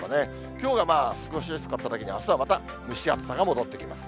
きょうが過ごしやすかっただけにあすはまた蒸し暑さが戻ってきます。